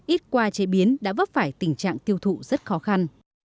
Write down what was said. ít qua chế biến đã vấp phải tình trạng tiêu thụ rất khó khăn